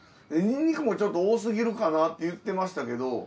ニンニクもちょっと多すぎるかなって言ってましたけど。